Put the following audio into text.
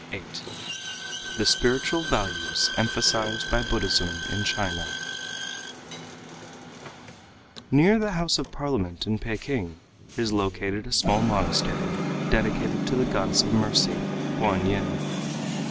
VIII THE SPIRITUAL VALUES EMPHASIZED BY BUDDHISM IN CHINA Near the House of Parliament in Peking is located a small monastery dedicated to the goddess of Mercy, Kuan Yin.